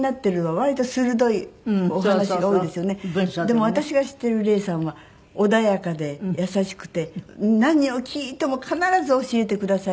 でも私が知っている礼さんは穏やかで優しくて何を聞いても必ず教えてくださいますし。